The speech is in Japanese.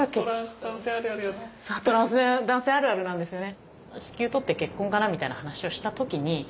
トランス男性あるあるなんですよね。